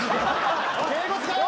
敬語使え。